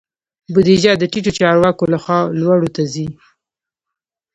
بودیجه د ټیټو چارواکو لخوا لوړو ته ځي.